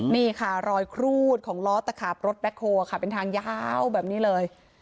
นี่ค่ะรอยครูดของล้อตะขาบรถแบ็คโฮลค่ะเป็นทางยาวแบบนี้เลย